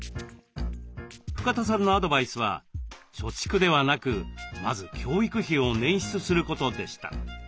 深田さんのアドバイスは貯蓄ではなくまず教育費を捻出することでした。